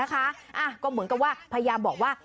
ก็เหมือนกับว่าพยายามบอกว่า